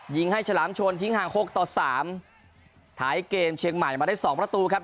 ยิงให้ฉลามชนทิ้งห่างหกต่อสามท้ายเกมเชียงใหม่มาได้สองประตูครับ